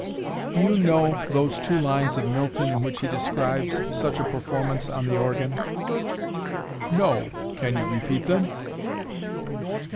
"Do you know those two lines of Milton in which he describes such a performance on the organ?" "No. Can you repeat them?"